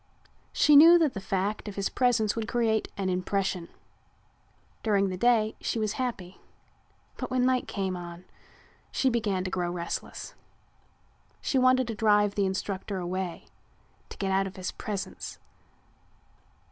She knew that the fact of his presence would create an impression. During the day she was happy, but when night came on she began to grow restless. She wanted to drive the instructor away, to get out of his presence.